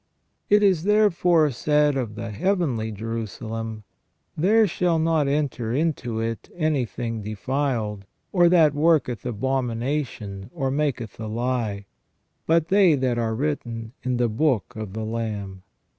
It is therefore said of the heavenly Jerusalem :" There shall not enter into it anything defiled, or that worketh abomination or maketh a lie, but they that are written in the book of the Lamb